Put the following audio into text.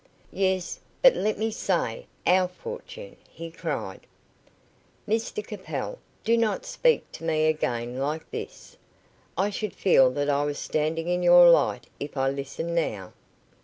"Yes, but let me say, our fortune," he cried. "Mr Capel, do not speak to me again like this. I should feel that I was standing in your light if I listened now."